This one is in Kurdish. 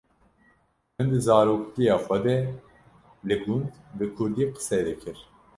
Min di zaroktiya xwe de li gund bi Kurdî qise dikir.